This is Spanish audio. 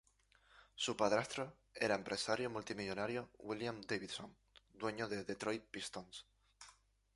Su padrastro era empresario multimillonario William Davidson dueño de Detroit Pistons.